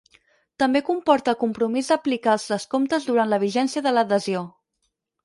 També comporta el compromís d'aplicar els descomptes durant la vigència de l'adhesió.